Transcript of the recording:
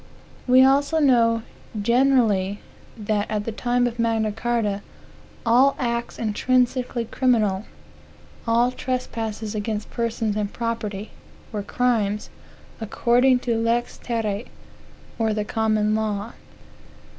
We also know, generally, that, at the time of Magna Carta, all acts intrinsically criminal, all trespasses against persons and property, were crimes, according to lex terra, or the common law.